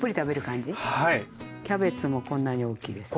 キャベツもこんなに大きいですね。